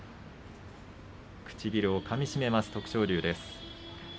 唇をかみしめます徳勝龍です。